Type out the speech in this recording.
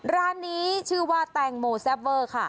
ร้านนี้ชื่อว่าแตงโมแซ่บเวอร์ค่ะ